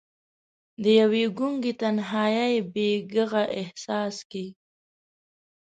د یوې ګونګې تنهايۍ بې ږغ احساس کې